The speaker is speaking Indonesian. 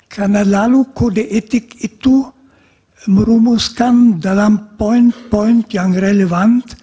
karena lalu kode etik itu merumuskan dalam poin poin yang relevan